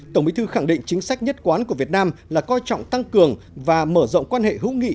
tổng bí thư khẳng định chính sách nhất quán của việt nam là coi trọng tăng cường và mở rộng quan hệ hữu nghị